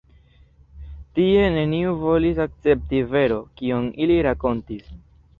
Tie neniu volis akcepti vero, kion ili rakontis.